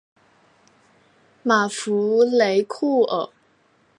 马夫雷库尔。